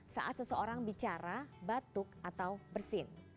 saat seseorang bicara batuk atau bersin